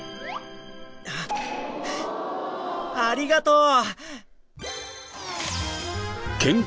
ありがとう！